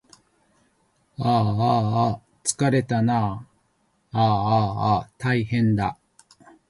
ああああつかれたなああああたいへんだ